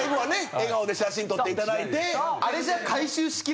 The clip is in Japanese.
笑顔で写真撮っていただいて。